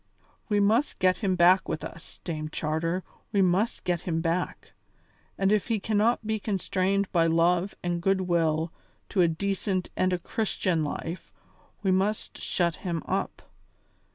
We must get him back with us, Dame Charter, we must get him back. And if he cannot be constrained by love and goodwill to a decent and a Christian life, we must shut him up.